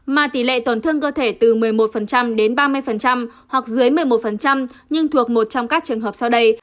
mà tỷ lệ tổn thương cơ thể từ một mươi một đến ba mươi hoặc dưới một mươi một nhưng thuộc một trong các trường hợp sau đây